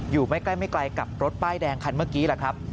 อยู่ไม่ใกล้ไม่ไกลกับรถป้ายแดงคันเมื่อกี้แหละครับ